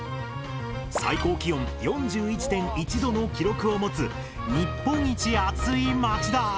最高気温４１．１℃の記録を持つ日本一暑い町だ！